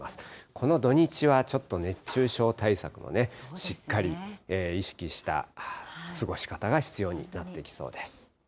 この土日はちょっと熱中症対策をね、しっかり意識した過ごし方が必要になってきそうです。